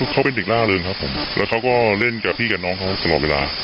เขาเป็นเด็กล่าเริงครับผมแล้วเขาก็เล่นกับพี่กับน้องเขาตลอดเวลา